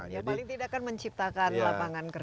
ya paling tidak kan menciptakan lapangan kerja